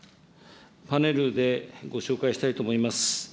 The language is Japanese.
パネルでご紹介したいと思います。